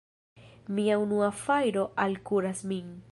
Mia unua fajro alkuras min!